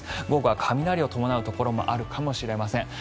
午後は雷を伴うところもあるかもしれません。